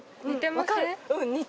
分かる。